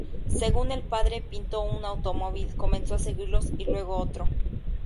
Según el Padre Pinto, un automóvil comenzó a seguirlos, y luego otro.